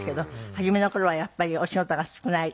初めの頃はやっぱりお仕事が少ない。